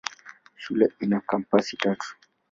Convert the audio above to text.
Shule ina kampasi tatu.